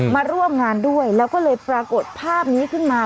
มาร่วมงานด้วยแล้วก็เลยปรากฏภาพนี้ขึ้นมา